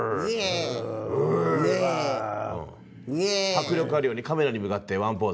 迫力あるようにカメラに向かってワンポーズ。